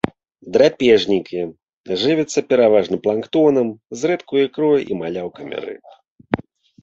Драпежнікі, жывяцца пераважна планктонам, зрэдку ікрой і маляўкамі рыб.